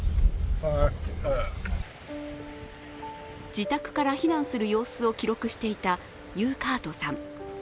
自宅から避難する様子を記録していたユーカートさん。